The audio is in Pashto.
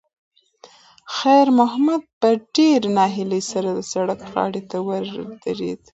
خیر محمد په ډېرې ناهیلۍ سره د سړک غاړې ته ودرېد.